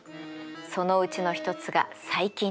そのうちの一つが細菌です。